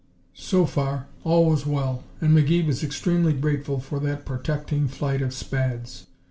So far, all was well, and McGee was extremely grateful for that protecting flight of Spads.